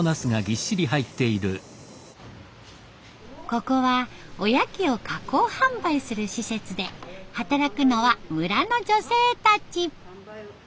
ここはおやきを加工販売する施設で働くのは村の女性たち。